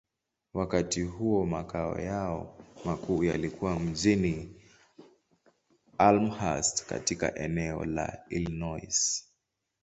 Wakati huo, makao yao makuu yalikuwa mjini Elmhurst, katika eneo la Illinois.